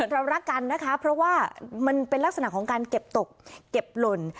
เรารักกันนะคะเพราะว่ามันเป็นลักษณะของการเก็บตกเก็บหล่น